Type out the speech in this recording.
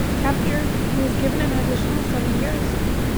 Captured, he was given an additional seven years.